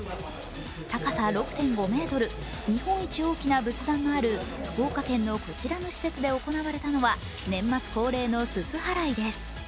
高さ６．５ｍ、日本一大きな仏壇がある福岡県のこちらの施設で行われたのは年末恒例のすす払いです。